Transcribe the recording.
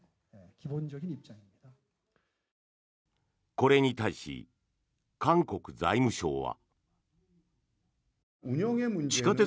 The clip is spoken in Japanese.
これに対し、韓国財務省は。